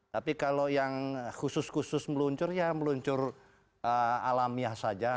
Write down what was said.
tapi kalau yang khusus khusus meluncur ya meluncur alamiah saja